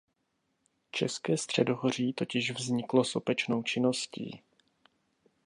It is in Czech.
České středohoří totiž vzniklo sopečnou činností.